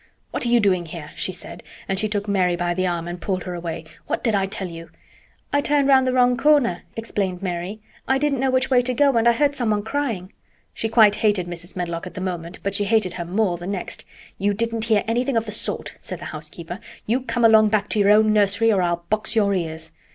"What are you doing here?" she said, and she took Mary by the arm and pulled her away. "What did I tell you?" "I turned round the wrong corner," explained Mary. "I didn't know which way to go and I heard someone crying." She quite hated Mrs. Medlock at the moment, but she hated her more the next. "You didn't hear anything of the sort," said the housekeeper. "You come along back to your own nursery or I'll box your ears."